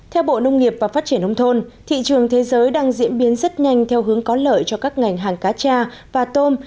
theo bộ nông nghiệp và phát triển nông thôn thị trường thế giới đang diễn biến rất nhanh theo hướng có lợi cho các ngành hàng cá cha và tôm